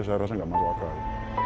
saya rasanya tidak masuk akal